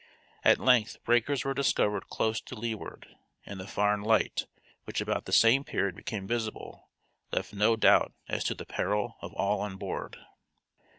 At length breakers were discovered close to leeward, and the Farne Light, which about the same period became visible, left no doubt as to the peril of all on board.